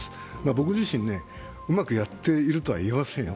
僕自身、うまくやっているとは言いませんよ。